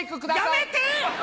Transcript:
やめて！